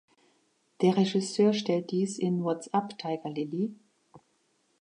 Der Regisseur stellt dies in "What’s Up, Tiger Lily?